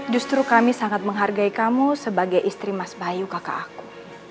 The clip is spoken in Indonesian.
justru kami sangat menghargai kamu sebagai istri mas bayu kakak aku